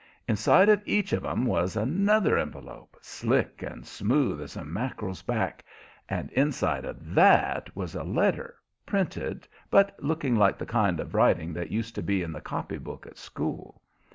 Inside of each of 'em was another envelope, slick and smooth as a mack'rel's back, and inside of THAT was a letter, printed, but looking like the kind of writing that used to be in the copybook at school.